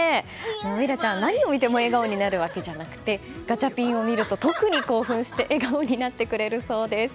心楽ちゃん、何を見ても笑顔になるわけじゃなくてガチャピンを見ると特に興奮して笑顔になってくれるそうです。